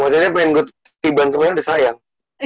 makanya pengen gue tiba tiba kemaren udah sayang